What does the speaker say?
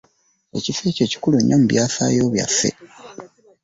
Ekifo ekyo kikulu nnyo mu byafaayo byaffe.